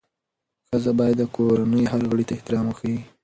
ښځه باید د کورنۍ هر غړي ته احترام وښيي.